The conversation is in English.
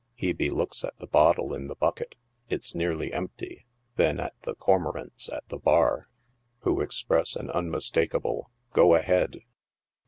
Hebe looks at the bottle in the bucket (it's nearly empty), then at the cormorants at the bar, who express an unmistakable " go ahead."